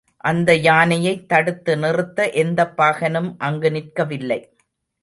அந்த யானையைத் தடுத்து நிறுத்த எந்தப் பாகனும் அங்கு நிற்கவில்லை.